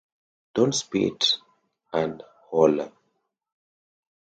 Don't Spit and Holler!